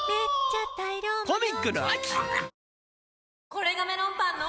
これがメロンパンの！